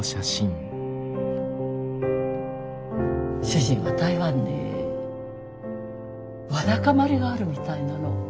主人は台湾にわだかまりがあるみたいなの。